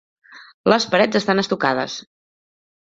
Les parets estan estucades.